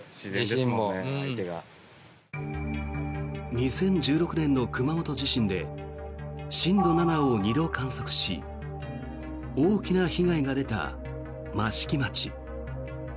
２０１６年の熊本地震で震度７を２度観測し大きな被害が出た益城町。